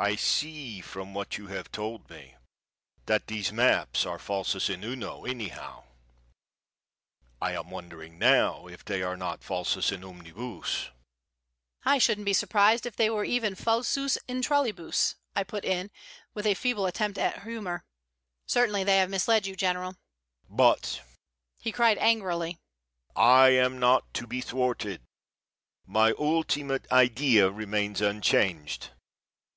I see, from what you have told me, that these maps are falsus in uno anyhow. I am wondering now if they are not falsus in omnibus." "I shouldn't be surprised if they were even falsus in trolleybus," I put in, with a feeble attempt at humor. "Certainly they have misled you, General." "But," he cried, angrily, "I am not to be thwarted. My ultimate idea remains unchanged.